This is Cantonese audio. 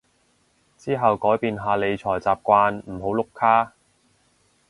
之後改變下理財習慣唔好碌卡